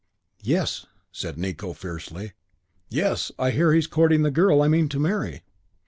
"Yes," said Nicot, fiercely. "Yes, I hear he is courting the girl I mean to marry."